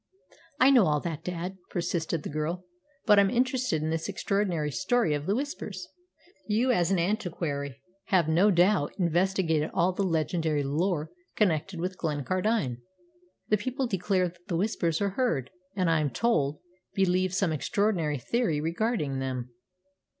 "I know all that, dad," persisted the girl; "but I'm interested in this extraordinary story of the Whispers. You, as an antiquary, have, no doubt, investigated all the legendary lore connected with Glencardine. The people declare that the Whispers are heard, and, I am told, believe some extraordinary theory regarding them."